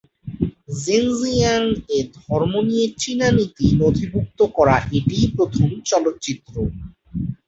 জিনজিয়াং-এ ধর্ম নিয়ে চীনা নীতি নথিভুক্ত করা এটিই প্রথম চলচ্চিত্র।